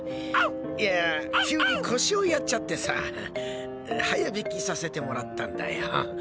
いやぁ急に腰をやっちゃってさ早退きさせてもらったんだよ。